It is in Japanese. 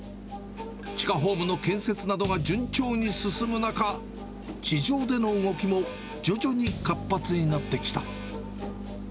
地下ホームの建設などが順調に進む中、地上での動きも徐々に活発になってきた。